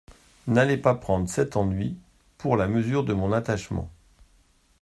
N'allez pas prendre cet ennui pour la mesure de mon attachement.